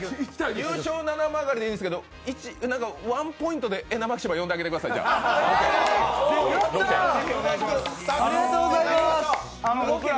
優勝はななまがりでいいんですけど、ワンポイントでエナマキシマ呼んであげてください、ロケ。